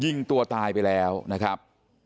ยิงตัวตายไปแล้วนะครับ